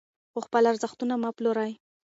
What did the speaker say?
خو خپل ارزښتونه مه پلورئ.